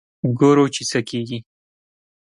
ګورو چې څه کېږي.